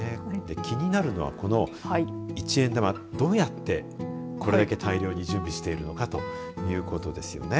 気になるのはこの一円玉どうやってこれだけ大量に準備しているのかということですよね。